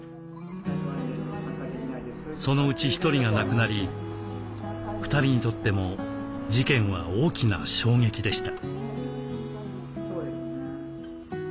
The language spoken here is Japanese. そのうち１人が亡くなり２人にとっても事件は大きな衝撃でした。